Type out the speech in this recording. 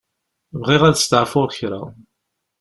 Bɣiɣ ad steɛfuɣ kra.